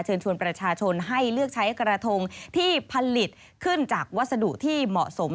ชวนประชาชนให้เลือกใช้กระทงที่ผลิตขึ้นจากวัสดุที่เหมาะสม